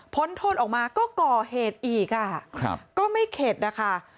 โทษออกมาก็ก่อเหตุอีกก็ไม่เข็ดนะคะ